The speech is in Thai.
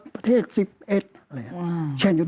ประเทศ๑๐เอ็ด